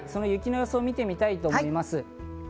雪の予想をみたいと思います。